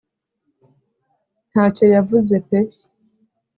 ntacyo yavuze pe